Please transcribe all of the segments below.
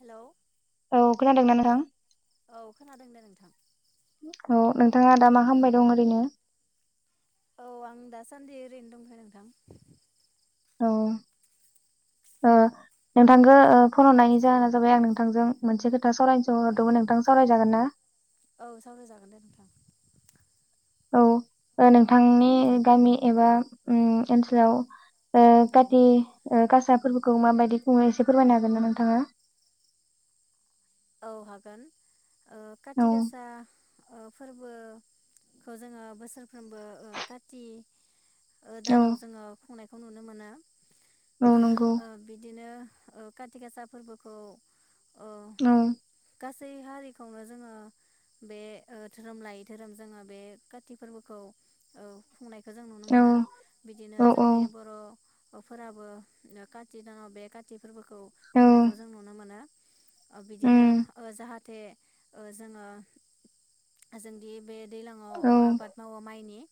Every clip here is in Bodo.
हेल'। [inaudible] औ खोनादोंना नोंथां? औ खोनादों दे नोंथां। [inaudible] औ नोंथाङा दा मा खालामामबाय दं ओरैनो? औ आं दासान्दि ओरैनो दंथ'यो नोंथां। औ ओ नोंथांखो ओ फन हरनायनि जाहोना जाबाय आं नोंथांजों मोनसे खोथा नोंथांजों सावरायनोसो औ हरदोंमो नोंथां सावराय जागोन ना? औ सावराय जागोन दे नोंथां। [inaudible] औ नोंथांनि गामि एबा उम ओनसोलाव ओ औ। काटि गासा फोरफोरखौ माबायदि खुंङो एसे फोरमायनो हागोन ना नोंथाङा? औ हागोन। ओ औ काटिक गासा फोरबोखौ जोङो बोसोरफ्रोमबो काति औ दानाव जोङो खुंनाय खौ नुनो मोना। औ नंगौ ओ बिदिनो ओ काटि गासा फोरबोखौ ओ औ गासै हारिखौनो जोङो बे धोरोम लायै धोरोम जोङो बे काति फोरबोखौ खुंनाय खौ जों नुनो औ मोनो बिदिनो औ औ जोंनि बर' अ फोराबो खाथि दानाव बे खाथि फोरबोखौ औ खुंनायखौ जों नुनो मोनो बिदिनो उम जाहाथे थे जोङो जोंदि बे दैलाङाव औ आबाद मावो माइनि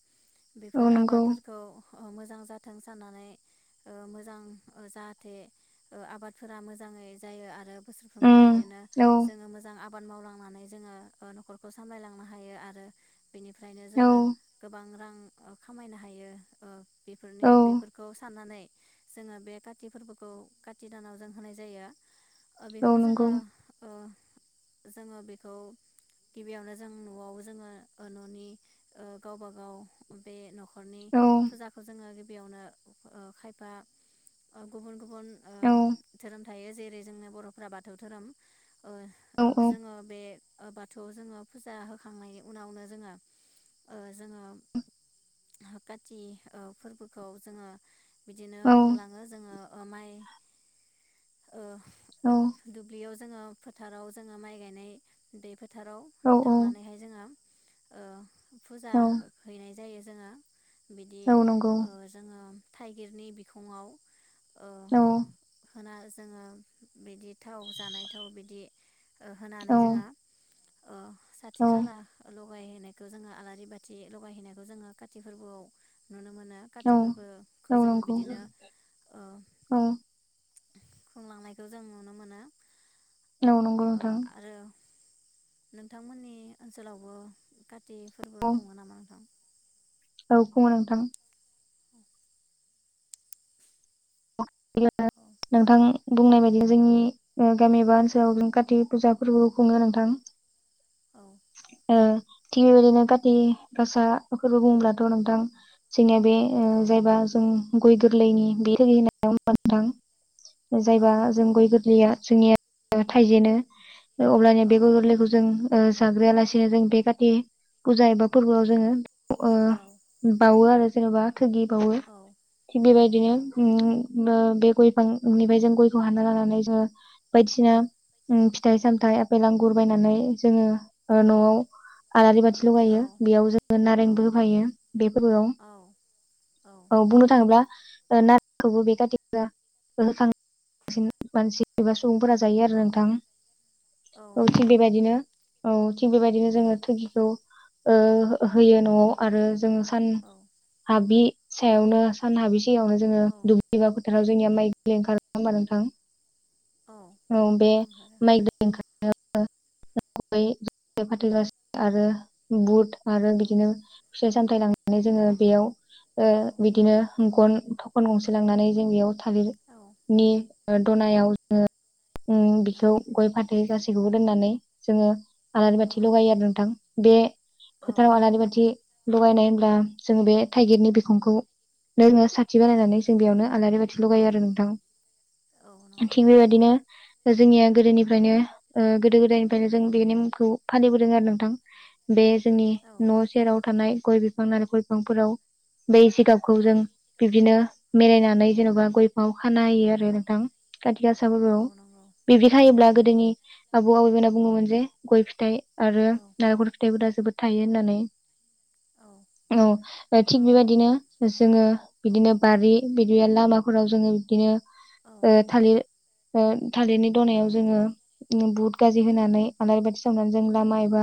बेफोर औ नंगौ आबादफोरखौ मोजां जाथों साननानै ओ मोजां जाहाथे ओ आबादफोरा मोजाङै जायो आरो बोसोर उम बिदिनो औ जोङो मोजां आबाद मावलांनानै जोङो न'खरखौ सामलायलांनो हायो आरो बेनिफ्रायनो औ जोङो गोबां रां खामायनो हायो ओ बेफोरनि औ बेफोरखौ साननानै जोङो बे काति फोरबोखौ काति दानाव जों होनाय जायो औ बेखौ नंगौ जोङो ओ जोङो बेखौ गिबियावनो जों न'आव जोङो न'नि गावबा गाव बे न'खर न'खरनि औ फुजाखौ जोङो बेयावनो ओ खायफा ओ गुबुन ओ औ धोरोम थायो जेरै जोंनो बर'फ्रा बाथौ दोहोरोम ओ औ जोङो बे आ बाथौआव जोङो फुजा होखांनायनि उनावनो जोङो जोङो काति फोरबोखौ जोङो बिदिनो खुंलाङो जोङो ओमाय ओ औ दु दुब्लियाव जोङो फोथाराव जोङो माइ गायनाय दै फो थाराव औ थांनानैहाय जोङो ओ फुजा औ हो हैनाय जायो जोङो बिदि औ नंगौ ओ जोङो थाइगिरनि बिखङाव ओ औ। होना जोङो बिदि थाव जानाय खौ बिदि ओ औ होनानै जोङो ओ औ साथि खाला ल गाय हैनायखौ जोङो आलारि बाथि लगायहैनायखौ जोङो काति फोर्बोआव नुनो मोनो काति फोरबोखौ जोङो नंगौ बिदिनो ओ औ खुंलांनायखौ जों नुनो मोनो औ नंगौ ओ नोंथां आरो नोंथांमोननि ओनसोलावबो काति फोरबो औ खुङो नामा नोंथां? औ खुङो नोंथां [unintelligible] औ नोंथां बुंनाय बायदि जोंनि औ गामि एबा ओनसोलाव जों काति फुजा फोरबो खुङो नोंथां औ ओ थिग बेबायदिनो खाथि गासा फोरफोरखौ बुङोब्लाथ' नोंथां जोंनिया बे ओ औ जायबा जों गय गोग्लैनि बे [unintelligible] औ जायबा जों नंगौ गय गोरलैया जोंनिया थाइजेनो अब्लानि औ बे गय गोरलैखौ जों ओ जाग्रोयालासिनो जों बे काति फुजा एबा फोरबोआव जोङो अ औ बावो आरो जेनबा थोगिबावो औ थिग औ बेबायदिनो नंगौ बो बे गय फांनिफ्राय जों गयखौ हाना लानानै जोङो बायदिसिना औ उम‌ फि थाइ सामथाइ आपेल आांगुर बायनानै जोङो ओ औ न'आव आलारि बाथि औ लगायो बेयाव जोङो नारेंबो होफायो बे फोरबोआव औ बुंनो थाङोब्ला ना खौबो बे [unintelligible] मानसि एबा सुबुंफोरा जायो आरो औ नोंथां औ थिग बेबायदिनो औ बेबायदिनो औ जोङो थोगिखौ ओ होयो। न'आव आरो जोङो सान औ हाबि सायावनो सान हाबिसेयावनो जोङो औ दुब्लिबा फोथाराव जोंनिया माइ गि ओंखार होमबा नोंथां? औ बे ओंखारो माइ [unintelligible] ओंखार [unintelligible] फाथैग आरो बुट आरो औ बिदिनो फिथाय सामथाय लांनानै जोङो बेयाव बिदिनो गन फन गंसे लांनानै जों बेयाव थालिर औ नि दनायाव जोङो उम औ बेखौ गय फाथै गासैखौबो दोननानै जोङो आलारि बाथि लगायो आरो नोंथां। बे। औ फोथा अनारि नंगौ बथि लगायनाय उम जों बे थाइगिरनि बिखुंखौ लोङो। औ नंगौ औ बानायनानै जों बेयावनो आलारि बाथि औ लगायो आरो नोंथां। औ नंगौ थिक बेबायदिनो जोंनिया गोदोनिफ्रायनो ओ गोदो गोदायनिफ्रायनो, जों बे नेमखौ फालिबोदों आरो नोंथां बे जोंनि औ न' सेराव थानाय गय बिफां नालेखर बिफांफोराव बै जिगाबखौ औ जों बिदिनो मिलायनानै जेन'बा गयखौ। अखाना होयो आरो नोंथां खााथि गासाफोरखौ औ औ बिब्दि हायोब्ला गोदोनि आबौ आबैमोनना बुङोमोन जे गय फिथाइ आरो नारेंखर फिथाइबो दा जोबोद थायो होननानै, औ थिग बेबायदिनो जोङो। बारि बिदिनो लामाफोराव जोङो बिबदिनो ओ थालिर ओ। थालिरनि दनायाव जोङो ओ बुथ गाज्रि होनानै आलारि बाथि सावनानै जों लामा एबा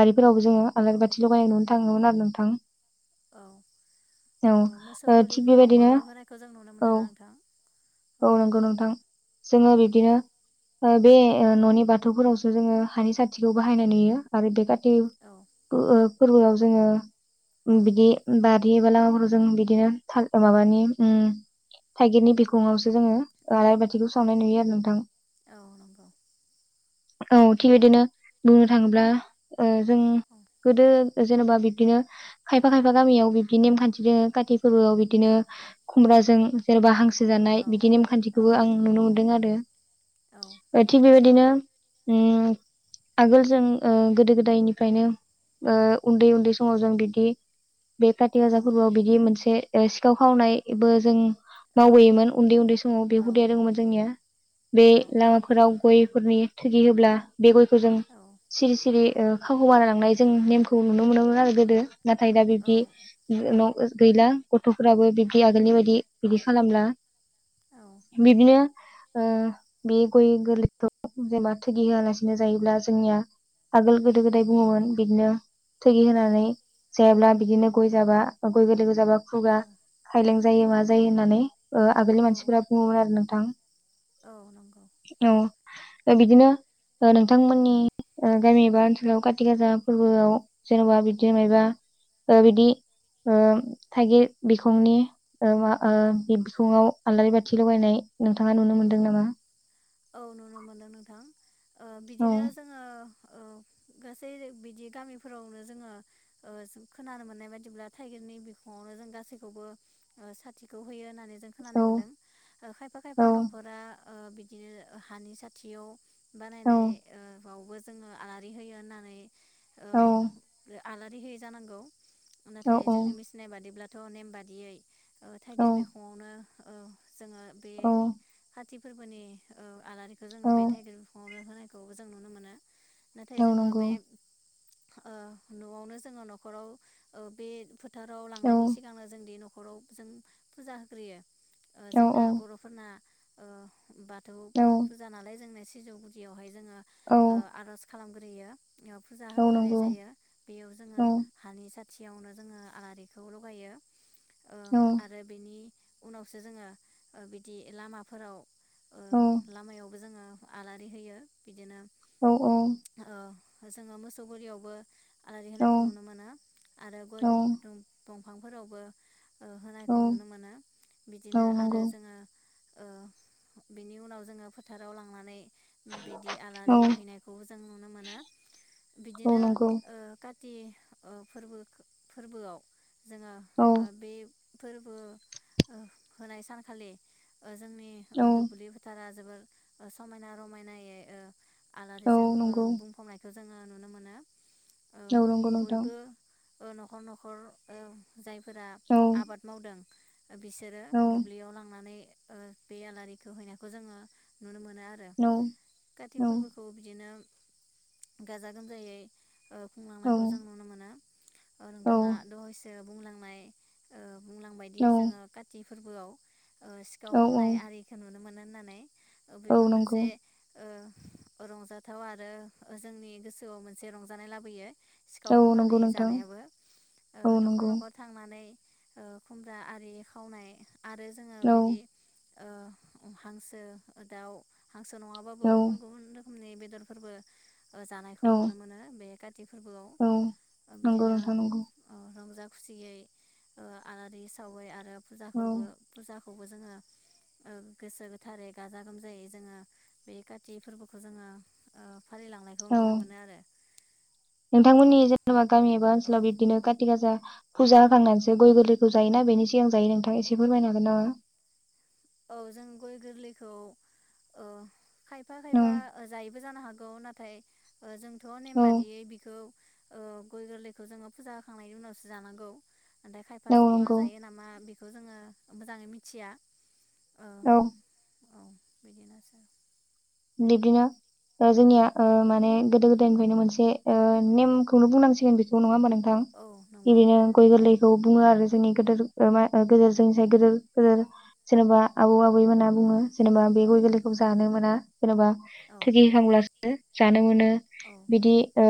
बारि फोरावबो जोङो औ आलारि बाथि लगायनाय [unintelligible] थाङोमोन आरो नोंथां। औ औ ओ मोसौ। थिग गलिफोरावबो बेबायदिनो होनायखौ जों नुनो मोनोना नोंथां औ औ-औ नंगौ नोंथां जोङो औ बिब्दिनो ओ बे ओ न'नि बाथौफोरावसो जोङो हानि साथिखौ बाहायनाय नुयो आरो बे का टि ओ औ ओब फोरबोआव जोङो उम बिदि बार [unintelligible] जों बिदिनो था ओ माबानि उम थाइगिरनि बिखुङावसो जोङो ओ औ आलारि बाथिखौ सावनाय नुयो। नोंथां औ नंगौ। औ थिग बिदिनो बुंनो थाङोब्ला ओ जों औ गोदो जेनेबा बिब्दिनो खायफा-खायफा गामियाव बिबदि नेमखान्थि दोङो काटि फोरबोआव बिदिनो औ खुमब्रा जों सोरबा हांसो सो जानाय औ बिदि औ नेमखान्थिखोबो आं नुनो औ मोनदों औ आरो थिग बेबायदिनो उम आगोल जों ओ गोदो गोदायनिफ्रायनो ओ उन्दै उन्दै समाव जों बिदि बे काटि गासा फोरबोआव बिदि मोन से ए सिखाव खावनायबो जों मावबोयोमोन उन्दै-उन्दै समाव बे हुदाया दोङोमोन जोंनिया। बे लामाफोराव गयफोरनि थोगि होब्ला बे गयखौ जों सिरि-सिरि ओ खावखोमा लांनाय जों नेमखौ नुनो मोनोमोन आरो गोदो नाथाय दा बिबदि न गैला गथ'फोराबो बिब्दि आगोलनि बायदि बिदि खालामला। बिदिनो ओ बे गय गोरलैखौ जेनेबा थगि होआलासिनो जायोब्ला जोंनिया आगोल गोदो-गोदाय बुङोमोन बिदिनो थोगि होनानै जायाब्ला बिदिनो गय जाबा गय गोरलैखौ जाबा खुगा खायलें- जायो मा जायो होननानै ओ आगोलनि औ मानसिफोरा बुङोमोन आरो नों- -थां औ नंगौ बिदिनो ओ नोंथांमोननि ओ गामि एबा ओनसोलाव काथि गाजा फोरबोआव जेनबा बिदि मायबा ओ बिदि ओ थाइगिर बिखंनि ओ मा ओ औ बिखङाव आलारि बाथि लगायनाय नोंथाङा नुनो औ मोनदों नामा औ नुनो मोनदों नोंथां ओ औ बिदिनो जोङो ओ गासै बिदि गामिफोरावनो जोङो ओ खोनानो मोननाय बादिब्ला थाइगिरनि बिखङावनो जों गासैखौबो ओ साथिखौ होयो होनना जों औ खोनानाय मोनदों खायफा औ खायफा नखरा ओ बिदिनो हानि सथियाव औ बानायनाय ओ आवबो जोङो आलारि होयो होननानै ओ औ आलारि होयो जानांगौ औ नाथाय जोंनि मिथिनाय बादिब्ला थ नेम बादियै औ थाइगिर बिखङावनो औ जोङो बे औ का ति फोरबोनि औ आलारिखौ जोङो औ बे टाइगिर बिखङावनो होनाय खौबो जों नुनो मोनो नाथाय औ जोङो नंगौ बे ओ नआवनो जोङो नखराव ओ बे फो फोथाराव औ लांनायनि सिगांनो जोंदि न न'खराव जों फुजा होग्रोयो ओ औ जोंना बर'फोरना ओ बा औ थौफोर फुजा नालाय जोंनिया सिजौ गुदियावहाय जोंङो औ ओ आरज खालामग्रोयो फुजा औ होग्रोनाय नंगौ जायो बेयाव औ जोङो हानि सा थियावनो जोङो आलारिखौ लगायो ओ औ आरो बेनि उनावसो जोङो ओ बिदि लामाफोराव औ। बो जोङो आलारि होयो बिदिनो औ औ। ओ जोङो मोसौ गुलियावबो आलारि होनायखौ नुनो मोनो आरो गय औ दंफांफोरावबो ओ औ होनायखौ नुनो मोनो औ बिदिनो आरो नंगौ औ जोङो ओ बिनि उनाव जोङो फोथाराव लांनानै बिदि आलारि हैनायखौ जों नुनो मोनो औ बिदिनो नंगौ ओ का ति ओ फोरबो फोरबोआव जोङो औ ओ बे फोरबो ओ होनाय सानखालि ओ जोंनि ओ दुब्लि फोथारा जोबोर ओ समायना रमायनायै ओ औ आलारिजों ओ नंगौ बुंफबनायखो जोङो नुनो मोनो। औ नंगौ नोंथां बयबो ओ न'खर न'खर ओ जायफोरा औ आबाद मावदों बिसोरो औ दुब्लियाव लांनानै ओ बे आलारिखौ हैनायखौ जोङो नुनो मो नो आरो कति फोरबोखौ बिदिनो गाजा गोमजायै ओ खुंलांनायखौ जों नुनो मोनो। ओ औ नोंथाङा दहयसो बुंलांनाय ओ बुंलांबायायदि जोङो काति फोरबोआव ओ सिखाव औ खावनाय नुनो मोनोन होननानै औ बेबो नंगौ मोनसे ओ रंजाथाव आरो जोंनि गोसोआव मोनसे रंजानाय लाबोयो सिखाव औ खावनानै नंगौ नोंथां जानायाबो ओ औ न'खर नंगौ न'खर थांनानै ओ खुमब्रा आरि खावनाय आरो जोङो बिदि औ ओ हांसो, दाउ हांसो नङाबो गुबुन गुबुन रोखोम खै बेदरफोरबो जानायखौ औ नुनो मोनो बेखाय फोरबोआव औ नंगौ बिदिनो नोंथां नंगौ रंजा खुसियै आलारि सावै आरो औ फुजाफोरबो फुजा खौबो जोङो ओ गोसो गोथारै गाजा गोमजायै जोङो बे काति फोरबोखौ जोङो ओ फालिलांनायखौ औ नुनो मोनो आरो नोंथांमोननि जेनेबा गामि एबा औ ओनसोलाव बिदिनो काथि गाजा फुजा होखांनानैसो गय गोरलैखौ जायोना बेनि सिगां जायो नोंथां एसे फोरमायनो हागोन ना औ जों गय गोरलैखौ ओ खायफा औ खायफा जायो जानो हागौ नाथाय जोंथ' नेम औ बादियै बिखौ गय गोरलैखौ जोङो फुजा होखांनायनि उनावसो जानांगौ ओमथाय खायफा सुबुङा नंगौ जायो नामा बेखौ जोङो मोजाङै मिथिया औ औ बिदिनोसै बिदिनो ओ औ जोंनिया ओ माने गोदो गोदायनिफ्रायनो मोनसे ओ नेमखौनो बुंनांसिगोन बेखौ नङा होमबा नों थां औ नंगौ बिदिनो औ गय गोरलैखौ बुङो आरो जोंनि गेदेर ओ गेदेर जोंनि गेदेर गेदेर जेनेबा आबौ आब बै मोना औ बुङो जेनेबा बे औ गय गोरलैखौ जानो मोना जेनेबा औ थोखिखांब्लासो जानो मोनो बिदि ओ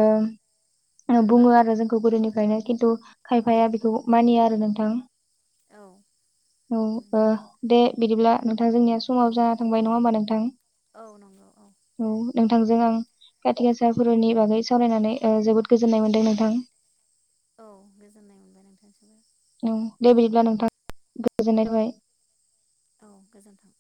बुङो आरो जोंखौ गोदोनिफ्रायनो खिन्थु औ खायफाया बेखौ मानिया आरो नोंथां। औ औ ओ दे। बिदिब्ला नों थां जोंनिया औ समाबो जाना थांबाय, नङा होमबा नोंथां? औ नंगौ औ। नोंथांजों आं काथि गासा फोरबोनि बागै सावरायनानै ओ जोबोद गोजोननाय औ मोनदों नोंथां। औ गोजोननाय मोनबाय नोंथांनिसिमबो औ दे बि बिदिब्ला नोंथां गोजोननाय थाबाय। औ गोजोन्थों।